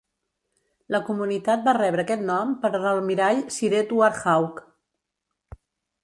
La comunitat va rebre aquest nom per l'almirall Sir Edward Hawke.